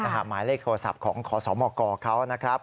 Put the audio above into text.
หมายเลขโทรศัพท์ของขอสมกเขานะครับ